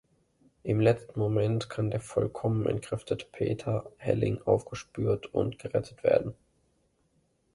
Im letzten Moment kann der vollkommen entkräftete Peter Helling aufgespürt und gerettet werden.